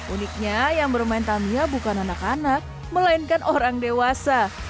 uniknya yang bermain tamiya bukan anak anak melainkan orang dewasa